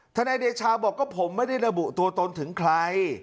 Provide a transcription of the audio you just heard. นายเดชาบอกก็ผมไม่ได้ระบุตัวตนถึงใคร